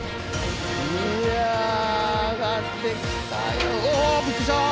いやあ上がってきたよ。